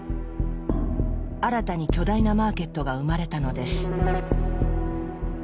新たに巨大なマーケットが生まれたのです。